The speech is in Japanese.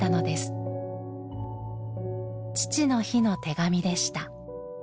父の日の手紙でした。